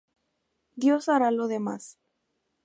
Dios hará lo demás.